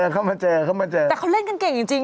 แต่เขาเล่นกันเก่งจริง